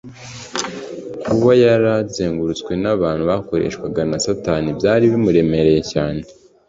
kuba yari azengurutswe n’abantu bakoreshwaga na satani byari bimuremereye cyane